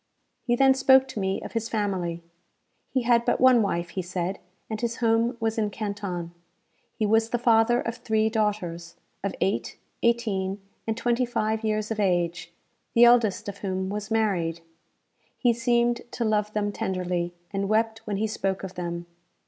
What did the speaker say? He then spoke to me of his family. He had but one wife, he said, and his home was in Canton. He was the father of three daughters, of eight, eighteen, and twenty five years of age, the eldest of whom was married. He seemed to love them tenderly, and wept when he spoke of them.